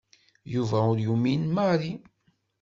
Yuba ur yumin Mary.